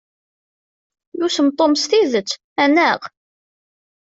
Yussem Tom s tidet, anaɣ?